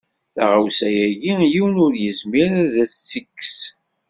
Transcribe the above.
Taɣawsa-ayi yiwen ur yezmir ad as-tt-yekkes.